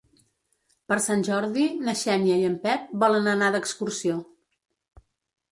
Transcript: Per Sant Jordi na Xènia i en Pep volen anar d'excursió.